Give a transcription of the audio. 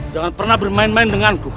jangan pernah bermain main denganku